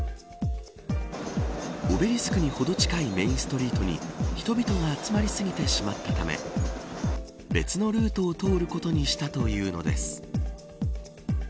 オベリスクにほど近いメーンストリートに人々が集まりすぎてしまったため別のルートを通ることにしたというのです。